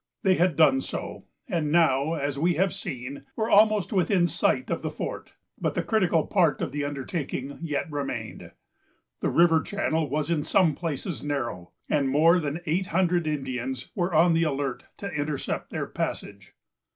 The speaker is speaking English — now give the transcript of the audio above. They had done so, and now, as we have seen, were almost within sight of the fort; but the critical part of the undertaking yet remained. The river channel was in some places narrow, and more than eight hundred Indians were on the alert to intercept their passage.